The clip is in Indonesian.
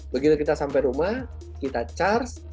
begitu kita sampai rumah kita charge